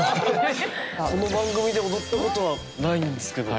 この番組で踊った事はないんですけど。